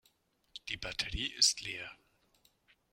Die Batterie ist leer.